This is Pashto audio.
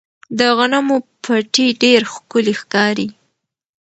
د غنمو پټي ډېر ښکلي ښکاري.